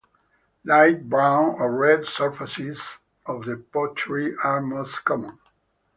Light brown or red surfaces of the pottery are most common.